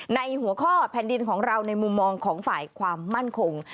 ในหัวข้อแผ่นดินของเราในมุมมองของฝ่ายความมั่นคง